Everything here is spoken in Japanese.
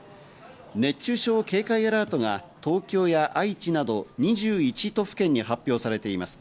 熱中症警戒アラートが東京や愛知など２１都府県に発表されています。